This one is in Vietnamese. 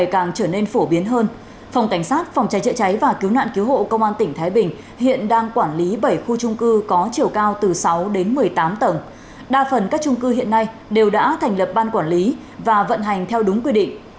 cháy rừng đã thành lập ban quản lý và vận hành theo đúng quy định